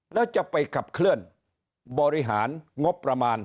แล้วจะไปขับเคลื่อนบริหารงบประมาณ